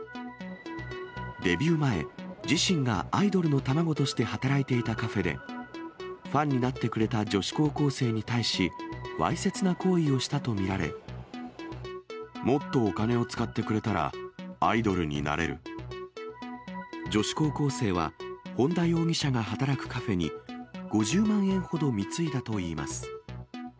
デビュー前、自身がアイドルの卵として働いていたカフェで、ファンになってくれた女子高校生に対し、わいせつな行為をしたともっとお金を使ってくれたら女子高校生は、本田容疑者が働くカフェに、５０万円ほど貢いだといいます。